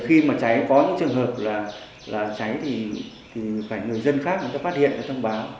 khi mà cháy có những trường hợp là cháy thì phải người dân khác phát hiện và thông báo